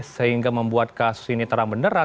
sehingga membuat kasus ini terang beneran